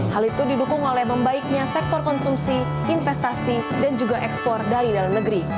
hal itu didukung oleh membaiknya sektor konsumsi investasi dan juga ekspor dari dalam negeri